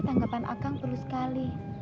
tanggapan akang perlu sekali